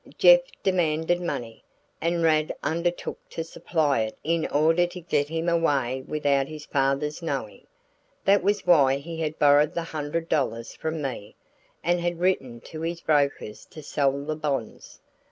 Jeff demanded money, and Rad undertook to supply it in order to get him away without his father's knowing. That was why he had borrowed the hundred dollars from me, and had written to his brokers to sell the bonds.